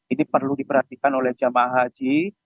ini perlu diperhatikan oleh jamaah haji